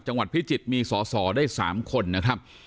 จังหวัดพิจิตรมีสอได้๓คนนะครับ